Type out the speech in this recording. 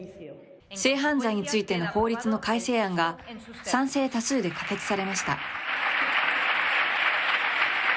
性犯罪についての法律の改正案が賛成多数で可決されました。